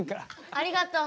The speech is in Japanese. ありがとう。